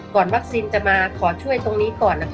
ก่อนวัคซีนจะมาขอช่วยตรงนี้ก่อน